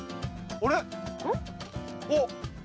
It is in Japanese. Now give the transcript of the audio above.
あれ。